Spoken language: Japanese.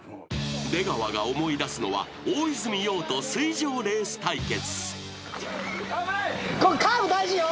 ［出川が思い出すのは大泉洋と水上レース対決］